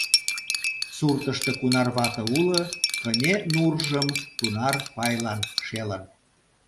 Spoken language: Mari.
Суртышто кунар вате уло, кыне нуржым тунар пайлан шелын.